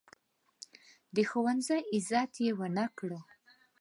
د ښوونځي عزت یې ونه کړ.